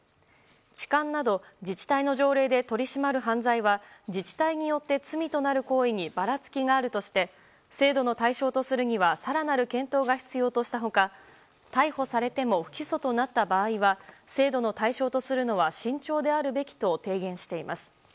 痴漢など、自治体の条例で取り締まる犯罪は自治体によって罪となる行為にばらつきがあるとして制度の対象とするには更なる検討が必要とした他逮捕されても不起訴となった場合は制度の対象とするのは慎重であるべきと提言しています。